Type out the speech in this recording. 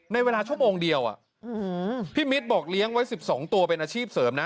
ในเวลาชั่วโมงเดียวพี่มิตรบอกเลี้ยงไว้๑๒ตัวเป็นอาชีพเสริมนะ